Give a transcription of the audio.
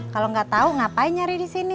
kalau nggak tahu ngapain nyari di sini